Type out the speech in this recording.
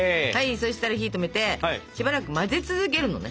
そしたら火止めてしばらく混ぜ続けるのね。